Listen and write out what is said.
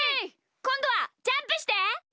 こんどはジャンプして！せの！